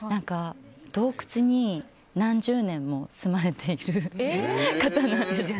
洞窟に何十年も住まれている方なんです。